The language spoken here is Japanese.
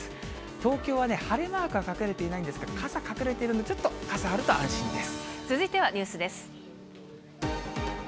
東京は晴れマークは隠れていないんですが、傘隠れているので、ちょっと傘あると安心です。